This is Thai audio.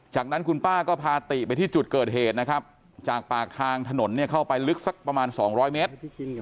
จากนั้นคุณป้าก็พาติไปที่จุดเกิดเหตุนะครับจากปากทางถนนเนี่ยเข้าไปลึกสักประมาณ๒๐๐เมตร